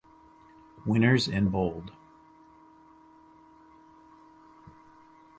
Winners in Bold.